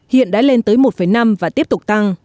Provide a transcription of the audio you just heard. hiện đã lên tới một năm và tiếp tục tăng